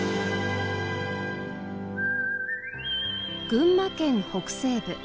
群馬県北西部。